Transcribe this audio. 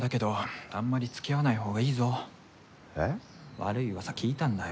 悪い噂聞いたんだよ。